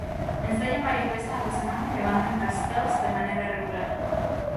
Ensayan varias veces a la semana y levantan "castells" de manera regular.